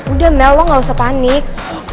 udah mel lo gak usah panik